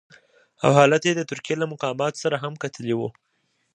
او هلته یې د ترکیې له مقاماتو سره هم کتلي وو.